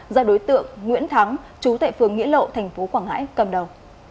do đối tượng nguyễn thắng chú tệ phương nghĩa lộ thành phố quảng ngãi cầm đầu